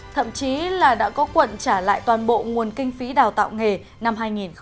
thậm chí là đã có quận trả lại toàn bộ nguồn kinh phí đào tạo nghề năm hai nghìn một mươi chín